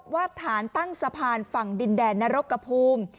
ว่าฐานตั้งสะพานฝั่งดินแดนนรกกระภูมิ